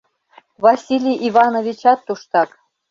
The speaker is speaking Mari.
— Василий Ивановичат туштак.